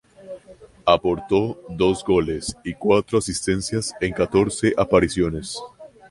Aportó dos goles y cuatro asistencias en catorce apariciones.